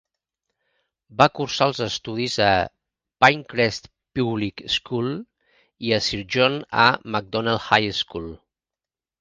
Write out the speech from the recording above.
Va cursar els estudis a Pinecrest Public School i a Sir John A. Macdonald High School.